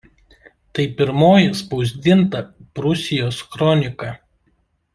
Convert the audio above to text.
Tai pirmoji spausdinta Prūsijos kronika.